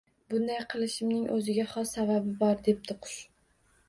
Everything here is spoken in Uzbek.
— Bunday qilishimning o‘ziga xos sababi bor, — debdi Qush